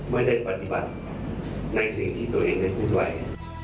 ไม่ได้ปฏิบัติในสิ่งที่ตัวเองได้พูดไว้